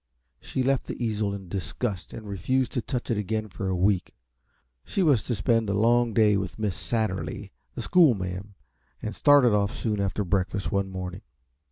She left the easel in disgust and refused to touch it again for a week. She was to spend a long day with Miss Satterly, the schoolma'am, and started off soon after breakfast one morning.